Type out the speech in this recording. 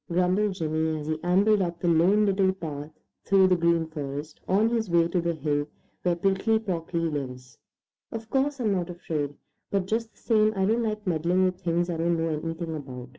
grumbled Jimmy, as he ambled up the Lone Little Path through the Green Forest on his way to the hill where Prickly Porky lives. "Of course I'm not afraid, but just the same I don't like meddling with things I don't know anything about.